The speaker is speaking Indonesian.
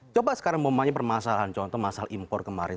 coba sekarang bumanya permasalahan contoh masalah impor kemarinnya